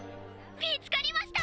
見つかりました！